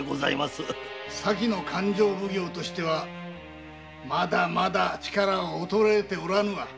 前の勘定奉行としてはまだ力は衰えておらぬ。